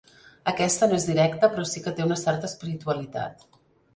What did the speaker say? Aquesta no és directa, però sí que té una certa espiritualitat.